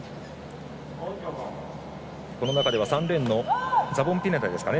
この中では３レーンのサボンピネダですかね